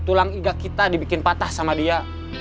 tulang iga kita dibikin patah sama dia